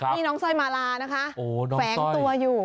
นี่น้องสร้อยมาลานะคะแฝงตัวอยู่